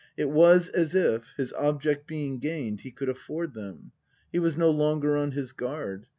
It was as if, his object being gained, he could afford them. He was no longer on his guard.